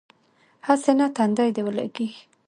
هسې نه تندی دې ولګېږي.